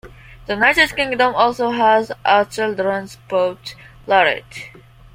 The United Kingdom also has a "Children's poet laureate".